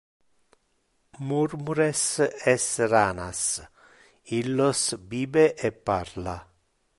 Murmures es ranas, illos bibe e parla.